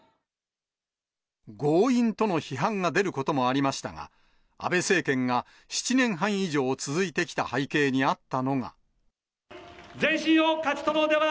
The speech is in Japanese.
強引との批判が出ることもありましたが、安倍政権が７年半以上続いてきた背景にあったのは。